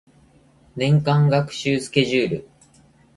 年間学習スケジュール